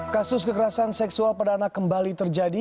kasus kekerasan seksual pada anak kembali terjadi